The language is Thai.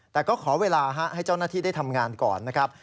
แต่ก็ขอเวลาให้เจ้าหน้าที่ได้ทำงานก่อนนะครับ